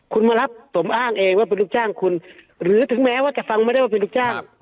คุณมารับสมอ้างเองว่าเป็นลูกจ้างคุณหรือถึงแม้ว่าจะฟังไม่ได้ว่าเป็นลูกจ้าง